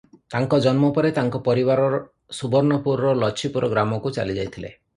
ତାଙ୍କ ଜନ୍ମ ପରେ ତାଙ୍କ ପରିବାର ସୁବର୍ଣ୍ଣପୁରର ଲଛିପୁର ଗ୍ରାମକୁ ଚାଲିଯାଇଥିଲେ ।